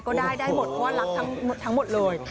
ก็ได้ได้หมดเพราะว่ารักทั้งหมดเลย